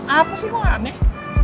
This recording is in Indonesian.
apa sih kok aneh